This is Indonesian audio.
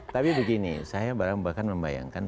tapi begini saya bahkan membayangkan